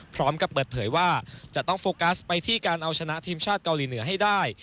พร้อมกับเปิดเผยว่าจะต้องโฟกัสไปที่การเอาชนะทีมชาติเกาหลีเหนือให้ได้